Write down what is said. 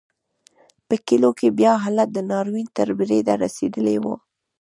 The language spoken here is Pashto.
په کلیو کې بیا حالت د ناورین تر بریده رسېدلی و.